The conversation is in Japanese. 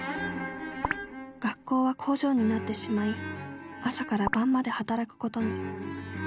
学校は工場になってしまい朝から晩まで働くことに。